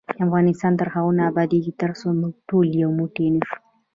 افغانستان تر هغو نه ابادیږي، ترڅو موږ ټول یو موټی نشو.